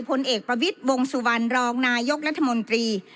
พลเอกประวิทย์วงสุวรรณรองนายกรัฐมนตรี